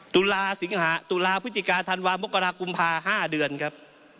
ตุลาสิงหาตุลาพฤศจิกาธันวามกรากุมภา๕เดือนครับ